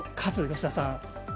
吉田さん。